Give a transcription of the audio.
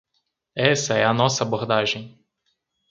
Essa é a nossa abordagem.